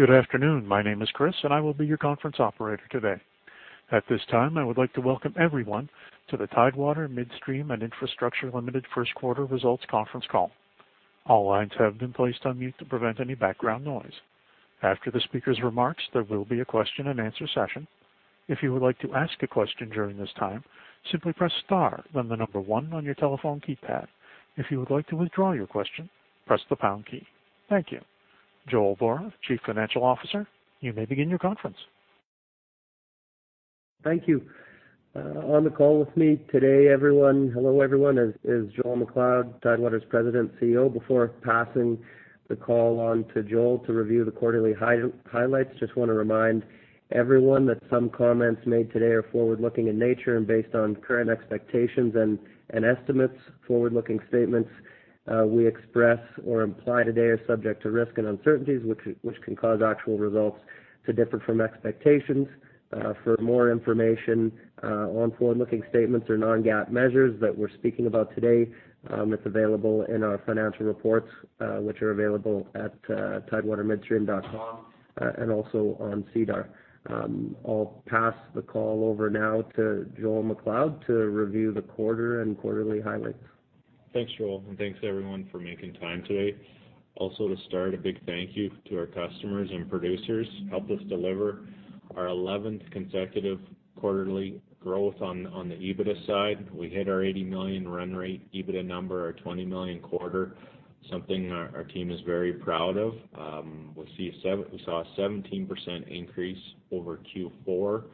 Good afternoon. My name is Chris, and I will be your conference operator today. At this time, I would like to welcome everyone to the Tidewater Midstream and Infrastructure Ltd. First Quarter Results Conference Call. All lines have been placed on mute to prevent any background noise. After the speaker's remarks, there will be a question and answer session. If you would like to ask a question during this time, simply press star, then the number one on your telephone keypad. If you would like to withdraw your question, press the pound key. Thank you. Joel Vohra, Chief Financial Officer, you may begin your conference. Thank you. On the call with me today, everyone, hello, everyone, is Joel MacLeod, Tidewater's President and CEO. Before passing the call on to Joel to review the quarterly highlights, just want to remind everyone that some comments made today are forward-looking in nature and based on current expectations and estimates. Forward-looking statements we express or imply today are subject to risk and uncertainties, which can cause actual results to differ from expectations. For more information on forward-looking statements or non-GAAP measures that we're speaking about today, it's available in our financial reports, which are available at tidewatermidstream.com, and also on SEDAR. I'll pass the call over now to Joel MacLeod to review the quarter and quarterly highlights. Thanks, Joel, and thanks everyone for making time today. Also, to start a big thank you to our customers and producers who helped us deliver our 11th consecutive quarterly growth on the EBITDA side. We hit our 80 million run rate EBITDA number, our 20 million quarter, something our team is very proud of. We saw a 17% increase over Q4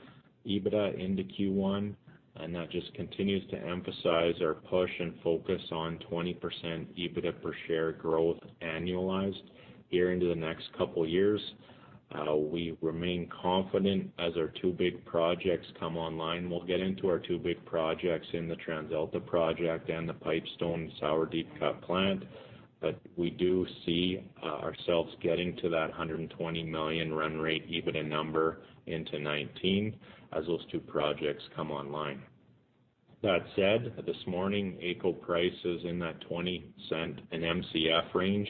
EBITDA into Q1, and that just continues to emphasize our push and focus on 20% EBITDA per share growth annualized here into the next couple of years. We remain confident as our two big projects come online. We'll get into our two big projects in the TransAlta project and the Pipestone sour deep cut plant. We do see ourselves getting to that 120 million run rate EBITDA number into 2019 as those two projects come online. That said, this morning, AECO price is in that 0.20 an Mcf range.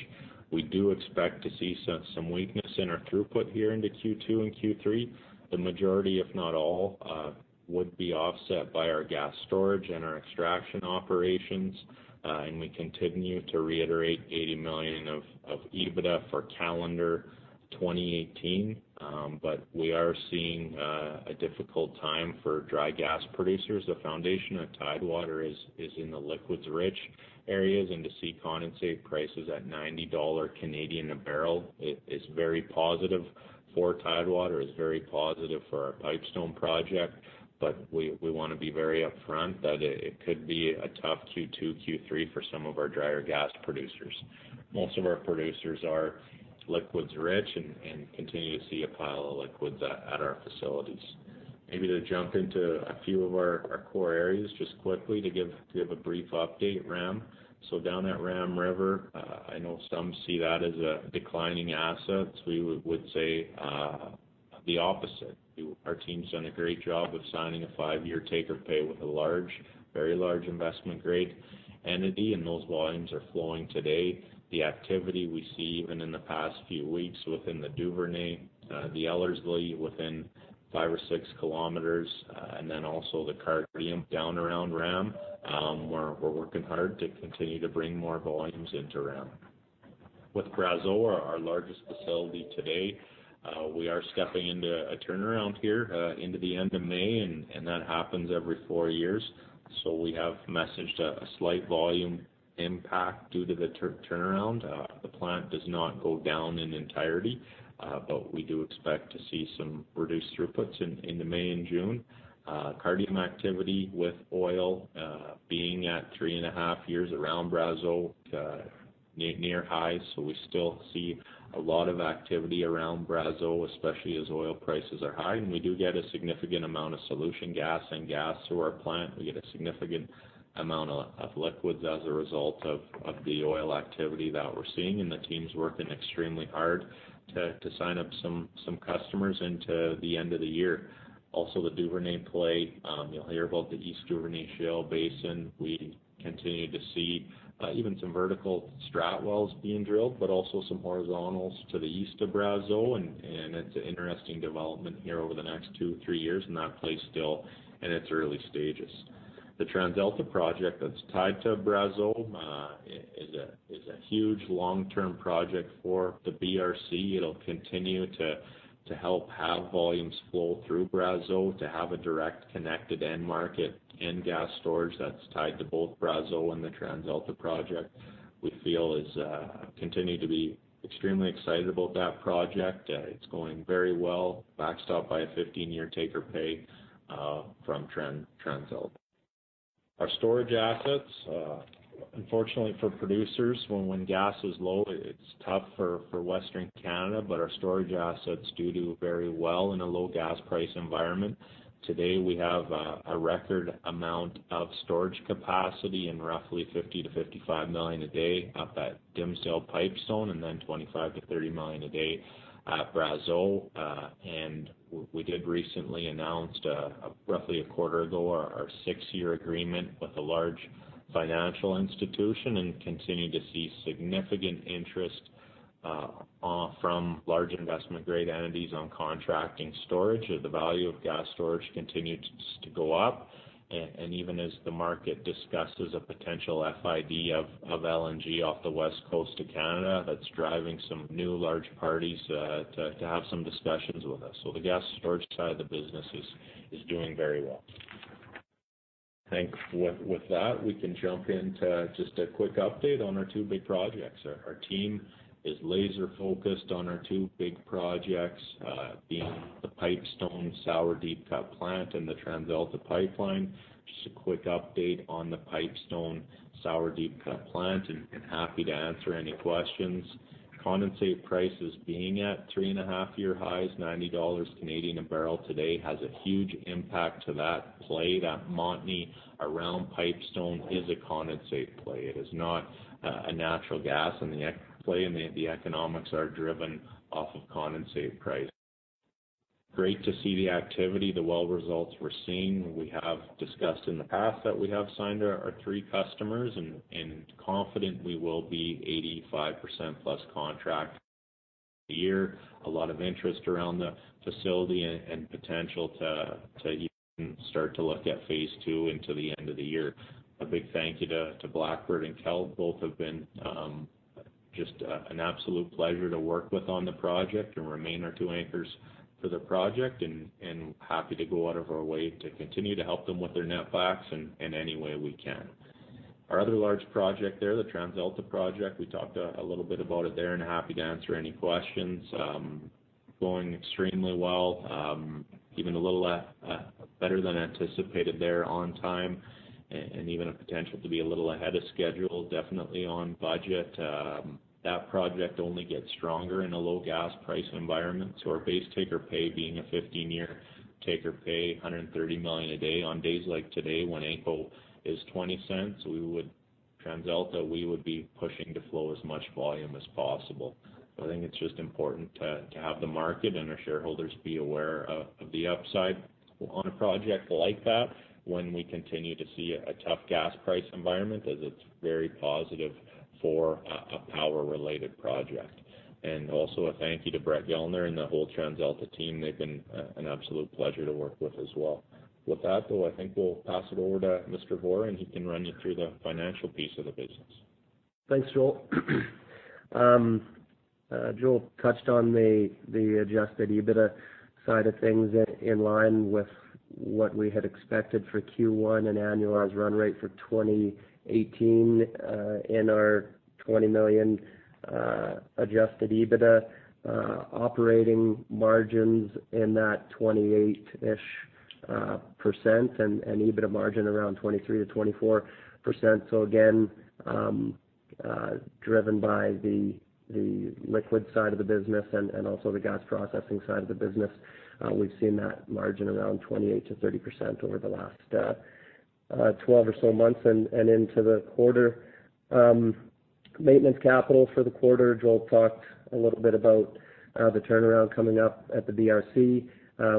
We do expect to see some weakness in our throughput here into Q2 and Q3. The majority, if not all, would be offset by our gas storage and our extraction operations. We continue to reiterate 80 million of EBITDA for calendar 2018. We are seeing a difficult time for dry gas producers. The foundation of Tidewater is in the liquids-rich areas, and to see condensate prices at 90 Canadian dollars a barrel, it is very positive for Tidewater. It's very positive for our Pipestone project. We want to be very upfront that it could be a tough Q2, Q3 for some of our dryer gas producers. Most of our producers are liquids rich and continue to see a pile of liquids at our facilities. Maybe to jump into a few of our core areas just quickly to give a brief update. Ram. Down at Ram River, I know some see that as a declining asset. We would say the opposite. Our team's done a great job of signing a five-year take-or-pay with a very large investment-grade entity, and those volumes are flowing today. The activity we see even in the past few weeks within the Duvernay, the Ellerslie within five or six kilometers, and then also the Cardium down around Ram, we're working hard to continue to bring more volumes into Ram. With Brazeau, our largest facility today, we are stepping into a turnaround here into the end of May and that happens every four years. We have messaged a slight volume impact due to the turnaround. The plant does not go down in entirety, we do expect to see some reduced throughputs into May and June. Cardium activity with oil being at three and a half years around Brazeau, near highs. We still see a lot of activity around Brazeau, especially as oil prices are high. We do get a significant amount of solution gas and gas through our plant. We get a significant amount of liquids as a result of the oil activity that we're seeing, and the team's working extremely hard to sign up some customers into the end of the year. The Duvernay play, you'll hear about the East Duvernay Shale Basin. We continue to see even some vertical Strat wells being drilled, also some horizontals to the east of Brazeau, it's an interesting development here over the next two, three years, that play still in its early stages. The TransAlta project that's tied to Brazeau, is a huge long-term project for the BRC. It'll continue to help have volumes flow through Brazeau to have a direct connected end market and gas storage that's tied to both Brazeau and the TransAlta project. We continue to be extremely excited about that project. It's going very well, backed up by a 15-year take or pay, from TransAlta. Our storage assets, unfortunately for producers, when gas is low, it's tough for Western Canada, our storage assets do very well in a low gas price environment. Today, we have a record amount of storage capacity in roughly 50 to 55 million a day at that Dimsdale Pipestone, and then 25 to 30 million a day at Brazeau. We did recently announce, roughly a quarter ago, our six-year agreement with a large financial institution and continue to see significant interest from large investment grade entities on contracting storage, the value of gas storage continues to go up. Even as the market discusses a potential FID of LNG off the West Coast of Canada, that's driving some new large parties to have some discussions with us. The gas storage side of the business is doing very well. I think with that, we can jump into just a quick update on our two big projects. Our team is laser-focused on our two big projects, being the Pipestone sour deep cut plant and the TransAlta pipeline. Just a quick update on the Pipestone sour deep cut plant, and happy to answer any questions. Condensate prices being at three-and-a-half year highs, 90 Canadian dollars a barrel today has a huge impact to that play. That Montney around Pipestone is a condensate play. It is not a natural gas in the play, and the economics are driven off of condensate price. Great to see the activity, the well results we're seeing. We have discussed in the past that we have signed our three customers, and confident we will be 85% plus contract by the year. A lot of interest around the facility and potential to even start to look at phase 2 into the end of the year. A big thank you to Blackbird and Kelt. Both have been just an absolute pleasure to work with on the project and remain our two anchors for the project, and happy to go out of our way to continue to help them with their net backs in any way we can. Our other large project there, the TransAlta project, we talked a little bit about it there and happy to answer any questions. Going extremely well, even a little better than anticipated there on time, and even a potential to be a little ahead of schedule, definitely on budget. That project only gets stronger in a low gas price environment. Our base take or pay being a 15-year take or pay, 130 million a day. On days like today when AECO is 0.20, TransAlta, we would be pushing to flow as much volume as possible. I think it's just important to have the market and our shareholders be aware of the upside on a project like that when we continue to see a tough gas price environment, as it's very positive for a power-related project. Also a thank you to Brett Gellner and the whole TransAlta team. They've been an absolute pleasure to work with as well. With that though, I think we'll pass it over to Mr. Vohra, and he can run you through the financial piece of the business. Thanks, Joel. Joel touched on the adjusted EBITDA side of things in line with what we had expected for Q1 and annualized run rate for 2018 in our 20 million adjusted EBITDA operating margins in that 28-ish% and EBITDA margin around 23%-24%. Again, driven by the liquid side of the business and also the gas processing side of the business. We've seen that margin around 28%-30% over the last 12 or so months and into the quarter. Maintenance capital for the quarter, Joel talked a little bit about the turnaround coming up at the BRC.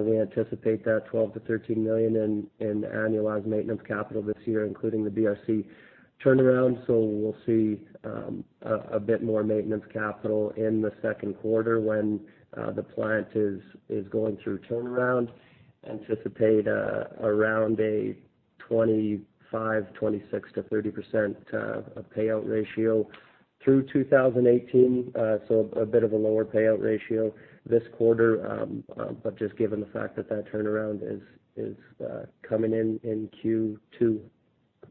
We anticipate that 12 million-13 million in annualized maintenance capital this year, including the BRC turnaround. We'll see a bit more maintenance capital in the second quarter when the plant is going through turnaround. Anticipate around a 25%, 26%-30% payout ratio through 2018. A bit of a lower payout ratio this quarter. Just given the fact that that turnaround is coming in in Q2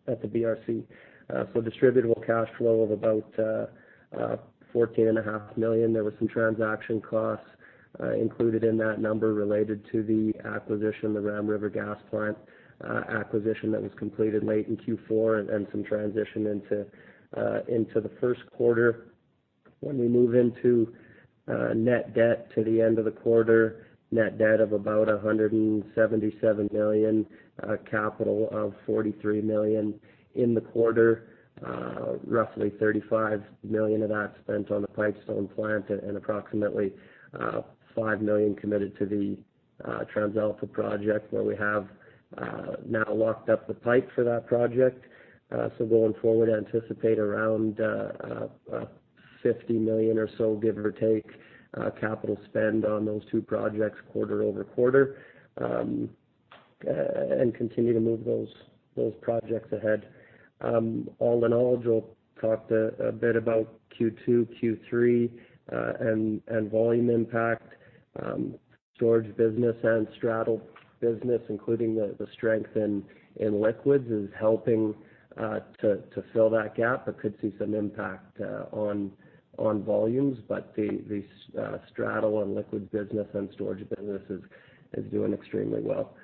at the BRC. Distributable cash flow of about 14 and a half million. There was some transaction costs included in that number related to the acquisition of the Ram River Gas Plant acquisition that was completed late in Q4 and some transition into the first quarter. When we move into net debt to the end of the quarter, net debt of about 177 million, capital of 43 million. In the quarter, roughly 35 million of that spent on the Pipestone plant and approximately 5 million committed to the TransAlta project, where we have now locked up the pipe for that project. Going forward, anticipate around 50 million or so, give or take, capital spend on those two projects quarter-over-quarter, and continue to move those projects ahead. All in all, Joel talked a bit about Q2, Q3, and volume impact. Storage business and straddle business, including the strength in liquids, is helping to fill that gap, but could see some impact on volumes. The straddle and liquid business and storage business is doing extremely well.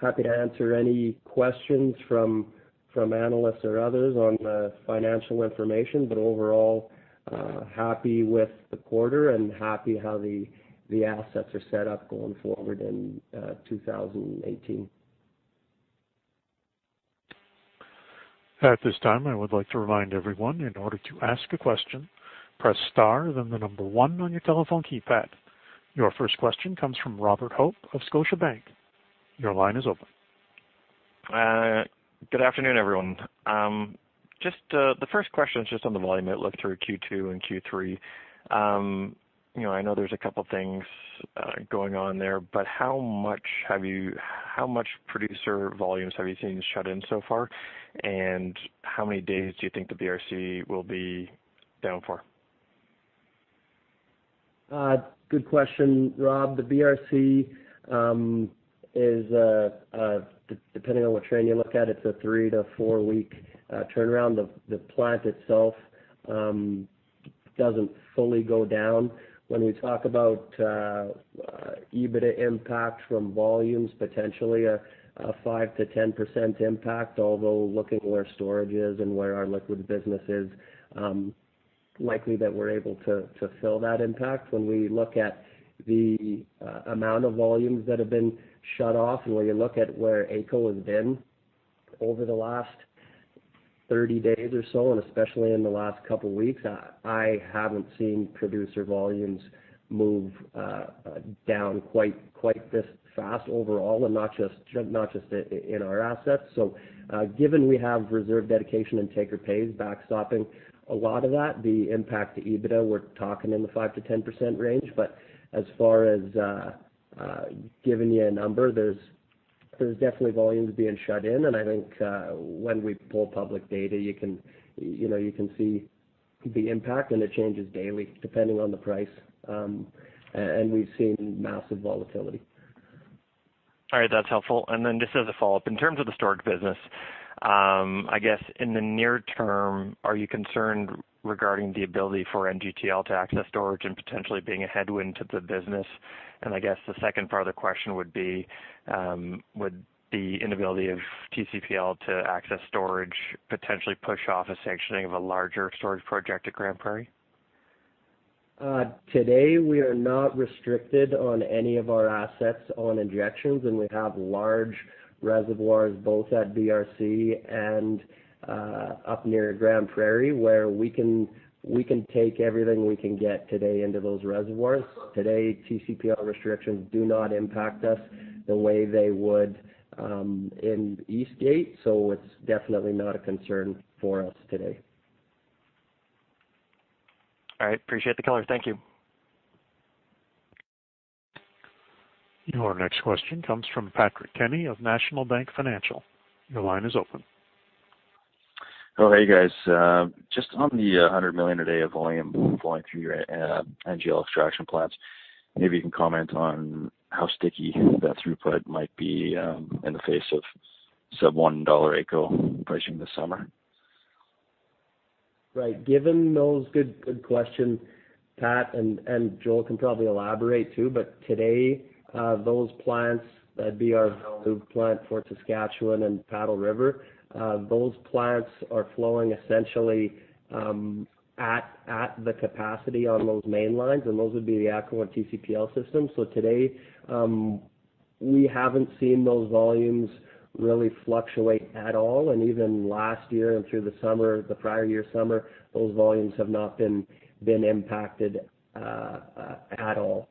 Happy to answer any questions from analysts or others on the financial information, but overall, happy with the quarter and happy how the assets are set up going forward in 2018. At this time, I would like to remind everyone, in order to ask a question, press star then the number one on your telephone keypad. Your first question comes from Robert Hope of Scotiabank. Your line is open. Good afternoon, everyone. The first question is just on the volume that looked through Q2 and Q3. I know there's a couple things going on there, but how much producer volumes have you seen shut in so far? And how many days do you think the BRC will be down for? Good question, Rob. The BRC is, depending on what trend you look at, it's a three- to four-week turnaround. The plant itself doesn't fully go down. When we talk about EBITDA impact from volumes, potentially a 5%-10% impact. Although, looking where storage is and where our liquid business is, likely that we're able to fill that impact. When we look at the amount of volumes that have been shut off and where you look at where AECO has been over the last 30 days or so, and especially in the last couple of weeks, I haven't seen producer volumes move down quite this fast overall, and not just in our assets. Given we have reserve dedication and take or pays backstopping a lot of that, the impact to EBITDA, we're talking in the 5%-10% range. As far as giving you a number, there's definitely volumes being shut in, and I think when we pull public data, you can see the impact, and it changes daily depending on the price. We've seen massive volatility. All right. That's helpful. Just as a follow-up, in terms of the storage business, I guess in the near term, are you concerned regarding the ability for NGTL to access storage and potentially being a headwind to the business? I guess the second part of the question would be, would the inability of TCPL to access storage potentially push off a sanctioning of a larger storage project at Grande Prairie? Today, we are not restricted on any of our assets on injections, and we have large reservoirs both at BRC and up near Grande Prairie, where we can take everything we can get today into those reservoirs. Today, TCPL restrictions do not impact us the way they would in Eastgate, it's definitely not a concern for us today. All right. Appreciate the color. Thank you. Our next question comes from Patrick Kenny of National Bank Financial. Your line is open. Hey, guys. Just on the 100 million a day of volume flowing through your NGL extraction plants, maybe you can comment on how sticky that throughput might be in the face of sub-CAD 1 AECO pricing this summer. Right. Good question, Pat. Joel can probably elaborate, too. Today, those plants that'd be our Valcourt plant for Saskatchewan and Paddle River, those plants are flowing essentially at the capacity on those main lines, and those would be the AECO and TCPL system. Today, we haven't seen those volumes really fluctuate at all. Even last year and through the summer, the prior year summer, those volumes have not been impacted at all.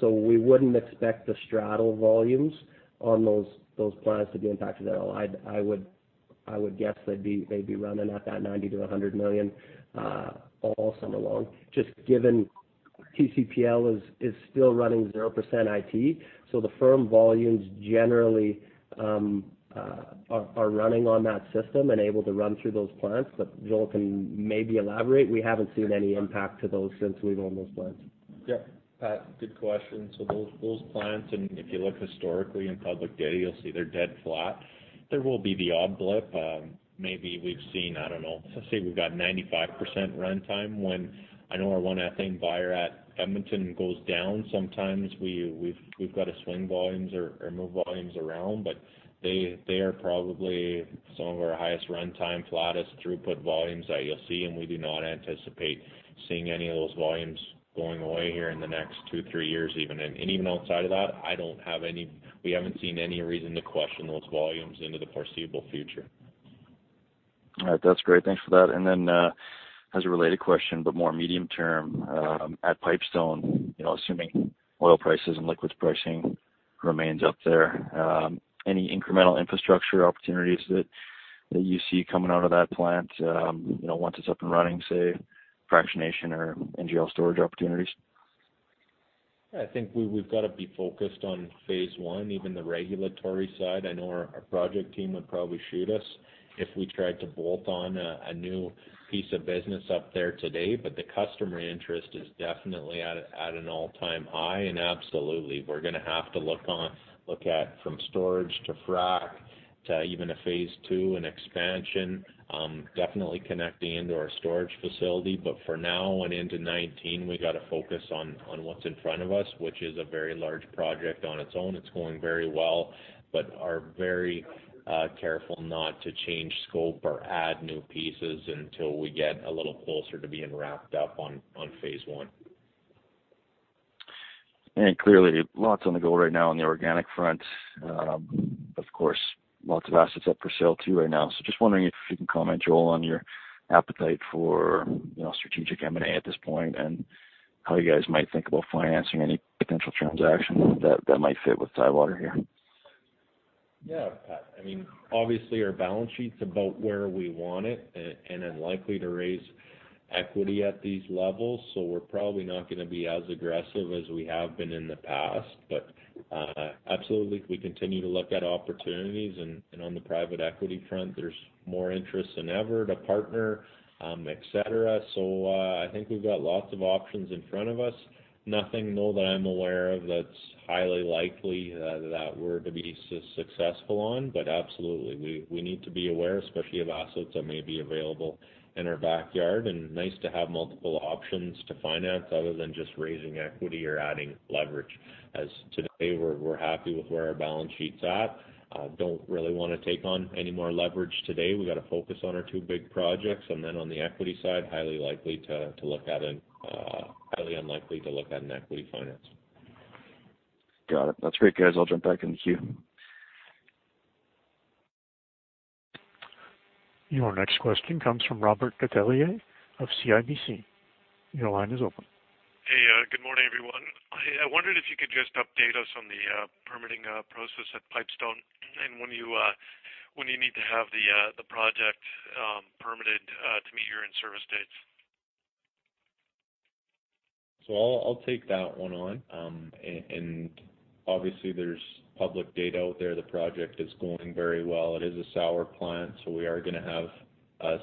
We wouldn't expect the straddle volumes on those plants to be impacted at all. I would guess they'd be running at that 90 million-100 million all summer long, just given TCPL is still running 0% IT. The firm volumes generally are running on that system and able to run through those plants. Joel can maybe elaborate. We haven't seen any impact to those since we've owned those plants. Yep. Pat, good question. Those plants, and if you look historically in public data, you will see they're dead flat. There will be the odd blip. Maybe we've seen, I don't know, let's say we've got 95% runtime when I know our offstream buyer at Edmonton goes down sometimes, we've got to swing volumes or move volumes around. They are probably some of our highest runtime, flattest throughput volumes that you will see, and we do not anticipate seeing any of those volumes going away here in the next two, three years even. Even outside of that, we haven't seen any reason to question those volumes into the foreseeable future. All right. That's great. Thanks for that. As a related question, but more medium term, at Pipestone, assuming oil prices and liquids pricing remains up there, any incremental infrastructure opportunities that you see coming out of that plant once it's up and running, say fractionation or NGL storage opportunities? I think we've got to be focused on phase one, even the regulatory side. I know our project team would probably shoot us if we tried to bolt on a new piece of business up there today. The customer interest is definitely at an all-time high, and absolutely, we're going to have to look at from storage to frac to even a phase two and expansion, definitely connecting into our storage facility. For now and into 2019, we got to focus on what's in front of us, which is a very large project on its own. It's going very well, but are very careful not to change scope or add new pieces until we get a little closer to being wrapped up on phase one. Clearly, lots on the go right now on the organic front. Of course, lots of assets up for sale, too, right now. Just wondering if you can comment, Joel, on your appetite for strategic M&A at this point and how you guys might think about financing any potential transactions that might fit with Tidewater here. Pat. Obviously, our balance sheet's about where we want it and unlikely to raise equity at these levels. We're probably not going to be as aggressive as we have been in the past. Absolutely, we continue to look at opportunities, and on the private equity front, there's more interest than ever to partner, et cetera. I think we've got lots of options in front of us. Nothing, no, that I'm aware of that's highly likely that we're to be successful on. Absolutely, we need to be aware, especially of assets that may be available in our backyard. Nice to have multiple options to finance other than just raising equity or adding leverage. As today, we're happy with where our balance sheet's at. Don't really want to take on any more leverage today. We've got to focus on our two big projects. On the equity side, highly unlikely to look at an equity finance. Got it. That's great, guys. I'll jump back in the queue. Your next question comes from Robert Catellier of CIBC. Your line is open. Hey, good morning, everyone. I wondered if you could just update us on the permitting process at Pipestone and when you need to have the project permitted to meet your in-service dates? I'll take that one on. Obviously, there's public data out there. The project is going very well. It is a sour plant, so we are going to have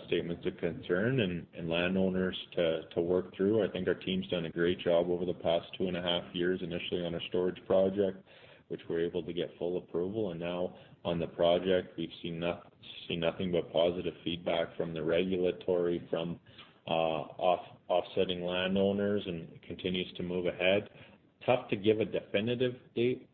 statements of concern and landowners to work through. I think our team's done a great job over the past two and a half years, initially on a storage project, which we're able to get full approval. Now on the project, we've seen nothing but positive feedback from the regulatory, from offsetting landowners, and it continues to move ahead. Tough to give a definitive date,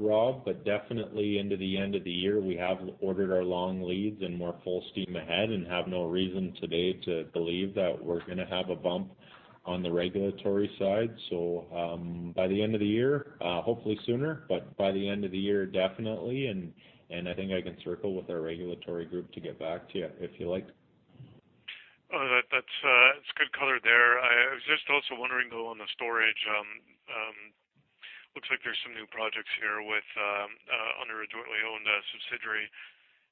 Rob, but definitely into the end of the year. We have ordered our long leads and we're full steam ahead and have no reason today to believe that we're going to have a bump on the regulatory side. By the end of the year, hopefully sooner, but by the end of the year, definitely. I think I can circle with our regulatory group to get back to you, if you like. That's good color there. I was just also wondering, though, on the storage. Looks like there's some new projects here under a jointly owned subsidiary.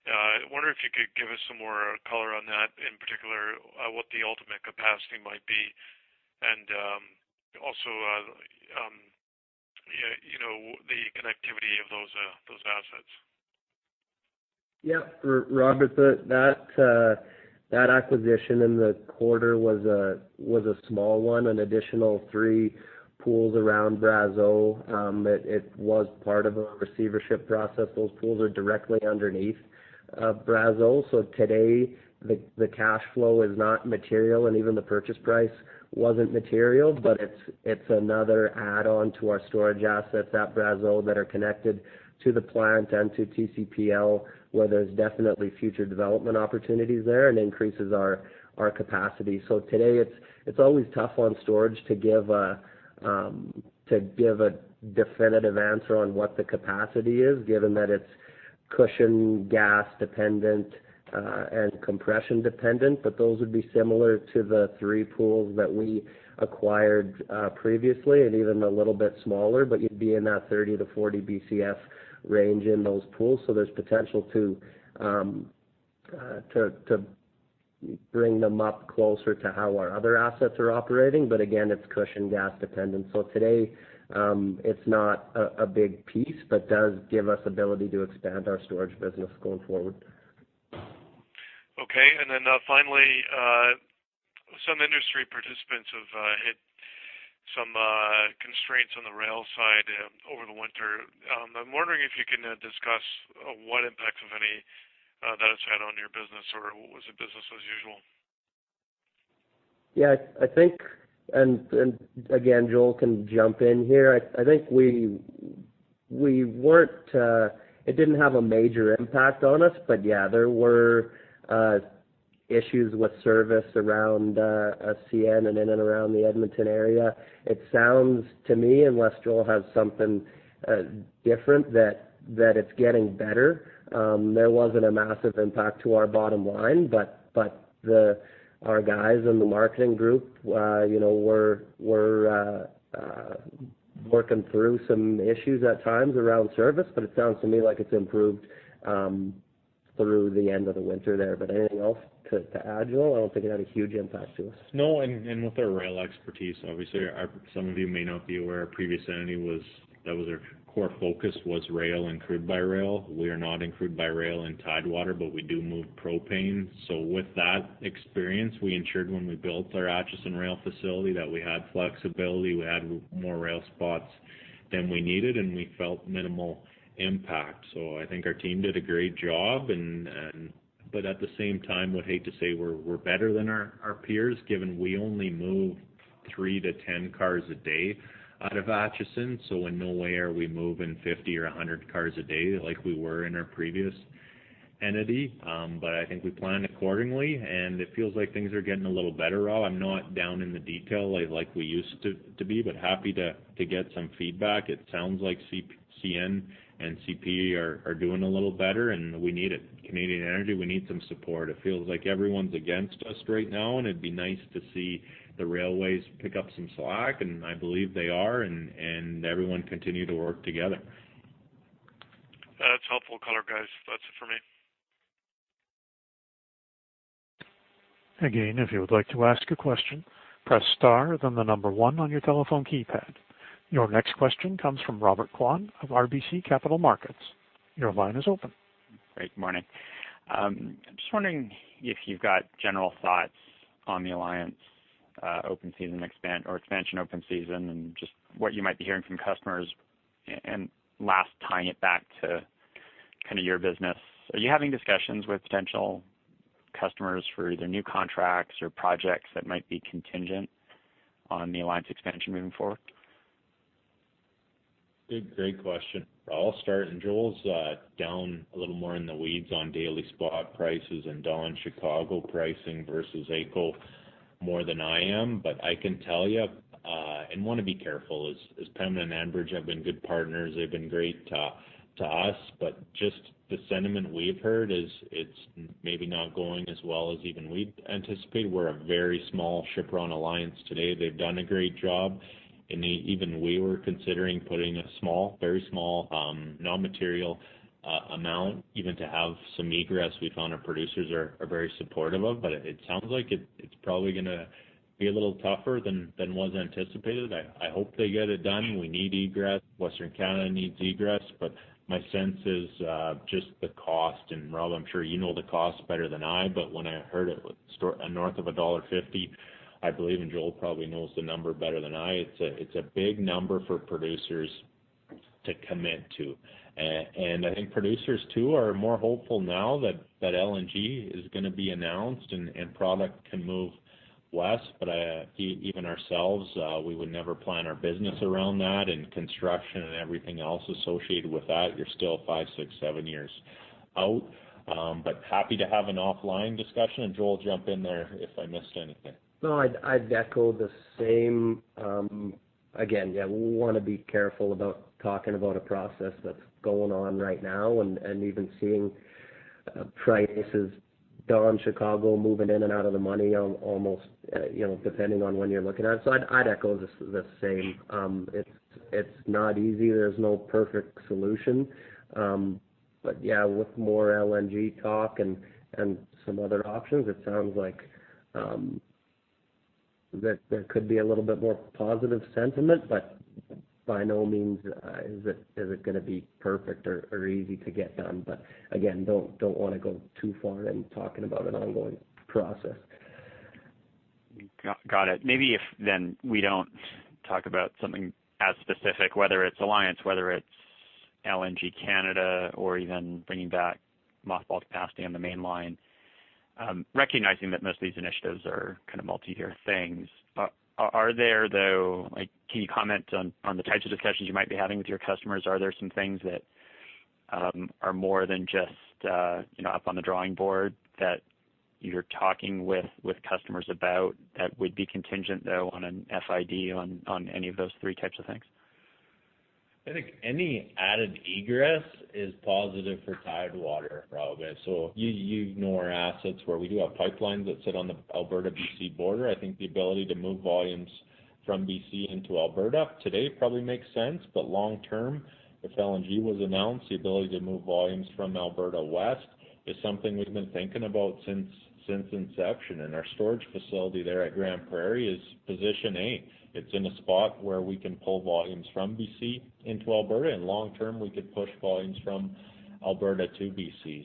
I wonder if you could give us some more color on that, in particular, what the ultimate capacity might be, and also the connectivity of those assets. Robert, that acquisition in the quarter was a small one, an additional three pools around Brazeau. It was part of a receivership process. Those pools are directly underneath Brazeau. Today, the cash flow is not material, and even the purchase price wasn't material, but it's another add-on to our storage assets at Brazeau that are connected to the plant and to TCPL, where there's definitely future development opportunities there and increases our capacity. Today, it's always tough on storage to give a definitive answer on what the capacity is, given that it's cushion gas dependent and compression dependent. But those would be similar to the three pools that we acquired previously, and even a little bit smaller, but you'd be in that 30-40 BCF range in those pools. There's potential to bring them up closer to how our other assets are operating, but again, it's cushion gas dependent. Today, it's not a big piece, but does give us ability to expand our storage business going forward. Finally, some industry participants have hit some constraints on the rail side over the winter. I'm wondering if you can discuss what impacts, if any, that it's had on your business or was it business as usual? Again, Joel can jump in here. It didn't have a major impact on us, but yeah, there were issues with service around CN and in and around the Edmonton area. It sounds to me, unless Joel has something different, that it's getting better. There wasn't a massive impact to our bottom line, but our guys in the marketing group were working through some issues at times around service, but it sounds to me like it's improved through the end of the winter there. Anything else to add, Joel? I don't think it had a huge impact to us. No, with our rail expertise, obviously some of you may not be aware, our previous entity, that was our core focus was rail and crude by rail. We are not in crude by rail in Tidewater, but we do move propane. With that experience, we ensured when we built our Acheson rail facility that we had flexibility, we had more rail spots than we needed, and we felt minimal impact. I think our team did a great job. At the same time, would hate to say we're better than our peers, given we only move three to 10 cars a day out of Acheson. In no way are we moving 50 or 100 cars a day like we were in our previous entity. I think we planned accordingly, and it feels like things are getting a little better, Rob. I'm not down in the detail like we used to be. Happy to get some feedback. It sounds like CN and CP are doing a little better. We need it. Canadian Energy, we need some support. It feels like everyone's against us right now, and it'd be nice to see the railways pick up some slack, I believe they are, everyone continue to work together. That's helpful color, guys. That's it for me. If you would like to ask a question, press star, then the number one on your telephone keypad. Your next question comes from Robert Kwan of RBC Capital Markets. Your line is open. Great, good morning. I'm just wondering if you've got general thoughts on the Alliance Pipeline open season expand or expansion open season, just what you might be hearing from customers. Last, tying it back to your business, are you having discussions with potential customers for either new contracts or projects that might be contingent on the Alliance Pipeline expansion moving forward? Great question. I'll start. Joel MacLeod's down a little more in the weeds on daily spot prices and Dawn-Chicago pricing versus AECO more than I am. I can tell you I want to be careful, as Pembina Pipeline Corporation and Enbridge Inc. have been good partners. They've been great to us. Just the sentiment we've heard is it's maybe not going as well as even we'd anticipate. We're a very small shipper on Alliance Pipeline today. They've done a great job. Even we were considering putting a very small, non-material amount, even to have some egress we found our producers are very supportive of. It sounds like it's probably going to be a little tougher than was anticipated. I hope they get it done. We need egress. Western Canada needs egress. My sense is just the cost. Rob, I'm sure you know the cost better than I, but when I heard it was north of dollar 1.50, I believe, Joel MacLeod probably knows the number better than I, it's a big number for producers to commit to. I think producers, too, are more hopeful now that LNG is going to be announced and product can move west. Even ourselves, we would never plan our business around that, and construction and everything else associated with that, you're still five, six, seven years out. Happy to have an offline discussion, Joel MacLeod, jump in there if I missed anything. No, I'd echo the same. Again, we want to be careful about talking about a process that's going on right now and even seeing prices, Dawn-Chicago moving in and out of the money on almost, depending on when you're looking at it. I'd echo the same. It's not easy. There's no perfect solution. With more LNG talk and some other options, it sounds like there could be a little bit more positive sentiment, but by no means is it going to be perfect or easy to get done. Again, don't want to go too far in talking about an ongoing process. Got it. Maybe if we don't talk about something as specific, whether it's Alliance, whether it's LNG Canada, or even bringing back mothballed capacity on the main line, recognizing that most of these initiatives are multi-year things. Can you comment on the types of discussions you might be having with your customers? Are there some things that are more than just up on the drawing board that you're talking with customers about that would be contingent, though, on an FID on any of those 3 types of things? I think any added egress is positive for Tidewater, Robert. You ignore assets where we do have pipelines that sit on the Alberta-BC border. I think the ability to move volumes from BC into Alberta today probably makes sense, but long term, if LNG was announced, the ability to move volumes from Alberta west is something we've been thinking about since inception, and our storage facility there at Grande Prairie is position A. It's in a spot where we can pull volumes from BC into Alberta, and long term, we could push volumes from Alberta to BC.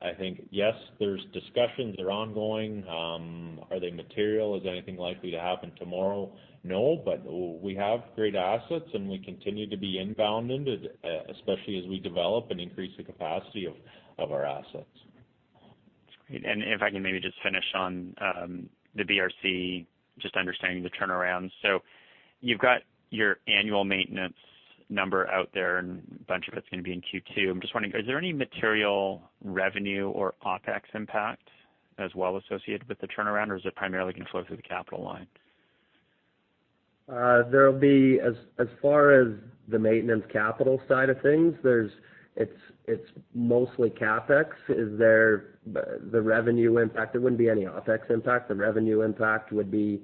I think, yes, there's discussions are ongoing. Are they material? Is anything likely to happen tomorrow? No. We have great assets, and we continue to be inbound into, especially as we develop and increase the capacity of our assets. Great. If I can maybe just finish on the BRC, just understanding the turnaround. You've got your annual maintenance number out there, and a bunch of it's going to be in Q2. I'm just wondering, is there any material revenue or OpEx impact as well associated with the turnaround, or is it primarily going to flow through the capital line? There'll be, as far as the maintenance capital side of things, it's mostly CapEx. The revenue impact, there wouldn't be any OpEx impact. The revenue impact would be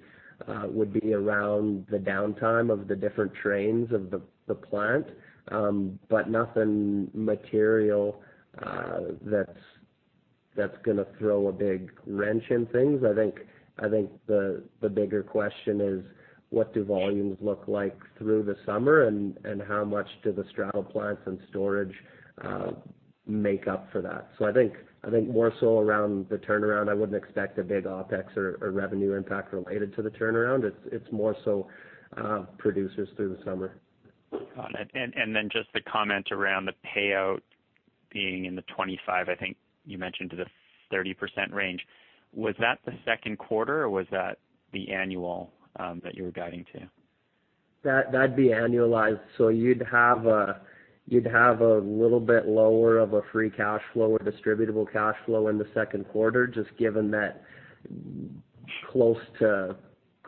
around the downtime of the different trains of the plant, but nothing material that's going to throw a big wrench in things. I think the bigger question is what do volumes look like through the summer, and how much do the straddle plants and storage make up for that? I think more so around the turnaround, I wouldn't expect a big OpEx or revenue impact related to the turnaround. It's more so producers through the summer. Got it. Just the comment around the payout being in the 25%, I think you mentioned, to the 30% range. Was that the second quarter, or was that the annual that you were guiding to? That'd be annualized. You'd have a little bit lower of a free cash flow or distributable cash flow in the second quarter, just given that close to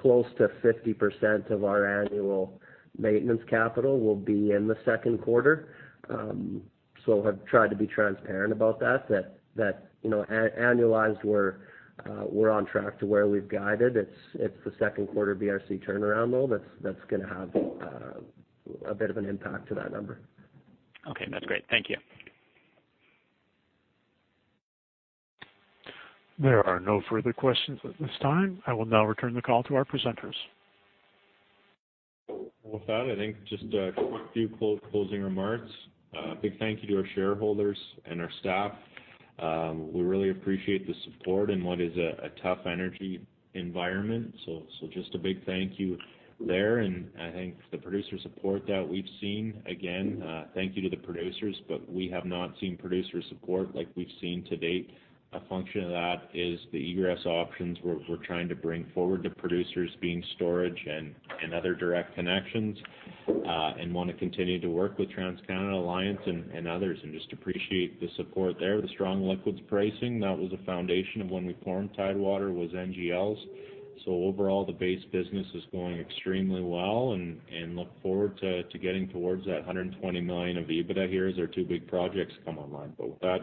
50% of our annual maintenance capital will be in the second quarter. I've tried to be transparent about that annualized, we're on track to where we've guided. It's the second quarter BRC turnaround, though, that's going to have a bit of an impact to that number. Okay, that's great. Thank you. There are no further questions at this time. I will now return the call to our presenters. With that, I think just a quick few closing remarks. A big thank you to our shareholders and our staff. We really appreciate the support in what is a tough energy environment. Just a big thank you there. I think the producer support that we've seen, again, thank you to the producers. We have not seen producer support like we've seen to date. A function of that is the egress options we're trying to bring forward to producers being storage and other direct connections. We want to continue to work with TransCanada and Alliance and others and just appreciate the support there. The strong liquids pricing, that was a foundation of when we formed Tidewater, was NGLs. Overall, the base business is going extremely well. We look forward to getting towards that 120 million of EBITDA here as our two big projects come online. With that,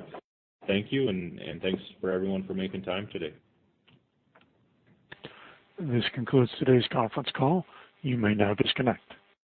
thank you. Thanks for everyone for making time today. This concludes today's conference call. You may now disconnect.